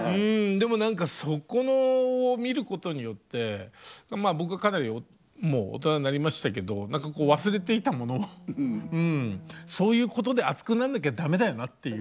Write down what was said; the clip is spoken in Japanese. でも何かそこを見ることによって僕かなりもう大人になりましたけど何かこう忘れていたものをそういうことで熱くなんなきゃ駄目だよなっていう。